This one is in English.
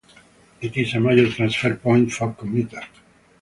It is a major transfer point for commuters.